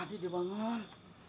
tadi dia bangun